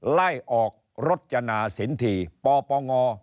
ไล่ออกรดชนะสินถีปปง